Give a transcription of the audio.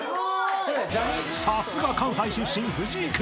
［さすが関西出身藤井君］